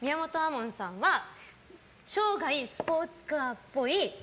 門さんは生涯スポーツカーっぽい。